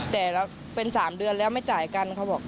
แต่เป็น๓เดือนแล้วไม่จ่ายกันเขาบอก